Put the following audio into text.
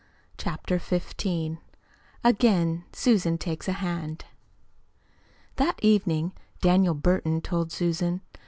CHAPTER XV AGAIN SUSAN TAKES A HAND That evening Daniel Burton told Susan.